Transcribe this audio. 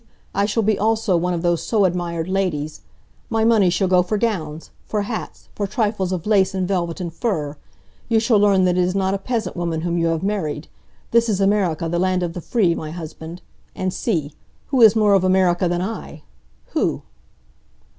I shall be also one of those so admired ladies. My money shall go for gowns! For hats! For trifles of lace and velvet and fur! You shall learn that it is not a peasant woman whom you have married. This is Amerika, the land of the free, my husband. And see! Who is more of Amerika than I? Who?"